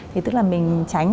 thế tức là mình tránh